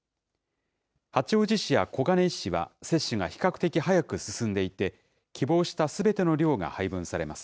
八王子市や小金井市は接種が比較的早く進んでいて、希望したすべての量が配分されます。